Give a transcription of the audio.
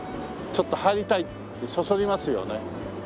ちょっと入りたいってそそりますよね。